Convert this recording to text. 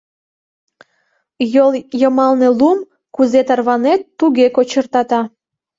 Йол йымалне лум, кузе тарванет, туге кочыртата.